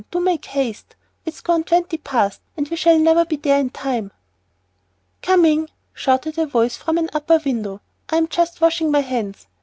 do make haste! It's gone twenty past, and we shall never be there in time." "Coming," shouted a voice from an upper window; "I'm just washing my hands.